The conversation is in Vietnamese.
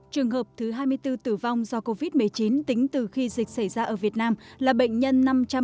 trường hợp thứ hai mươi bốn tử vong do covid một mươi chín tính từ khi dịch xảy ra ở việt nam là bệnh nhân năm trăm ba mươi